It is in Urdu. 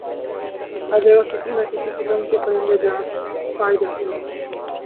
ہر جگہ کسی نہ کسی قسم کے پرندے پائے جاتے ہیں